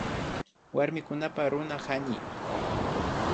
Warmikunapak Runa hañiy